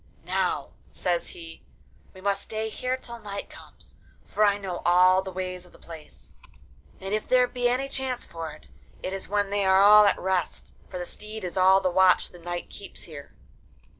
'Now,' says he, 'we must stay here till night comes; for I know all the ways of the place, and if there be any chance for it, it is when they are all at rest; for the steed is all the watch the knight keeps there.